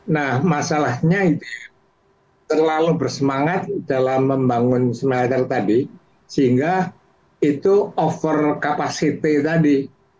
nah masalahnya itu terlalu bersemangat dalam membangun smelter tadi sehingga itu over capacity tadi